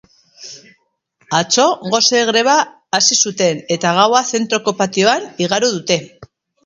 Atzo gose greba hasi zuten eta gaua zentroko patioan igaro dute.